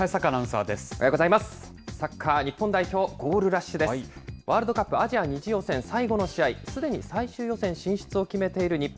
ワールドカップアジア２次予選、最後の試合、すでに最終予選進出を決めている日本。